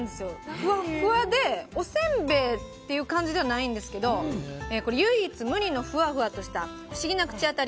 ふわふわで、おせんべいっていう感じではないんですけど唯一無二のふわふわとした不思議な口当たり。